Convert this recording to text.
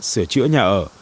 sửa chữa nhà ở